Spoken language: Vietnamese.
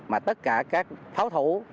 mà tất cả các pháo thủ